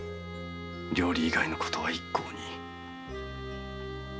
料理以外のことは一向に。